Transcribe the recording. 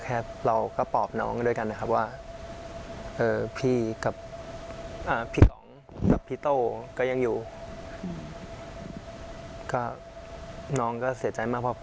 ขอมาปิดท้ายที่คุณเวริ